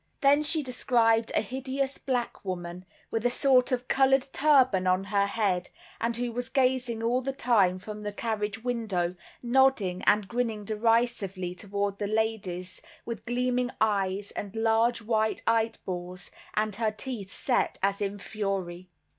Then she described a hideous black woman, with a sort of colored turban on her head, and who was gazing all the time from the carriage window, nodding and grinning derisively towards the ladies, with gleaming eyes and large white eyeballs, and her teeth set as if in fury.